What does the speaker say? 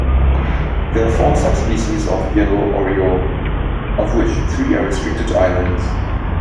There are four subspecies of yellow oriole, of which three are restricted to islands.